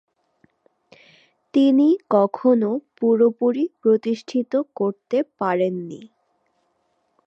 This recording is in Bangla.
তিনি কখনো পুরোপুরি প্রতিষ্ঠিত করতে পারেননি।